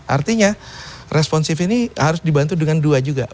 artinya responsif ini harus dibantu dengan dua juga